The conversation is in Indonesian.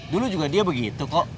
dulu juga dia begitu kok